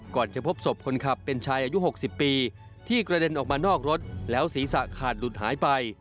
ก่อนจะพบศพคนขับเป็นชายอายุ๖๐ปีที่กระเด็นออกมานอกรถแล้วศีรษะขาดหลุดหายไป